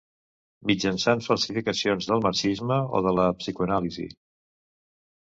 Mitjançant falsificacions del marxisme o de la psicoanàlisi.